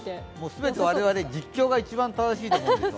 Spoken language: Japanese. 全て我々実況が一番正しいと思うんです。